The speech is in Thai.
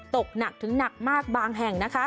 ตกหนักถึงหนักมากบางแห่งนะคะ